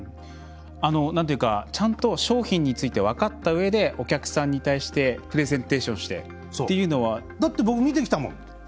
ちゃんと商品について分かったうえでお客さんに対してプレゼンテーションしてだって僕、見てきたもん。